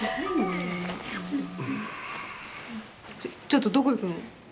ちょっとどこ行くの？